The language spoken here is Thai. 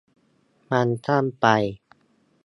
มันสั้นไป